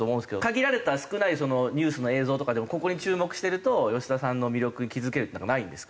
限られた少ないニュースの映像とかでもここに注目してると吉田さんの魅力に気付けるってなんかないんですか？